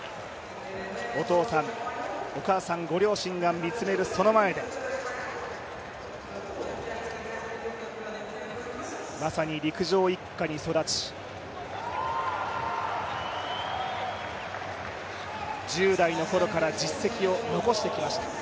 お父さん、お母さん、ご両親が見つめるその前でまさに陸上一家に育ち１０代のころから実績を残してきました。